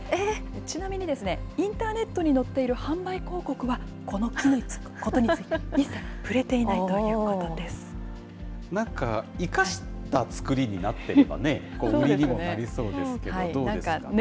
ちなみにインターネットに載っている販売広告は、この木のことについて、一切触れていないというなんか生かした作りになっていればね、売りにもなりそうですけどね。